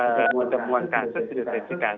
temuan temuan kasus identitas kasus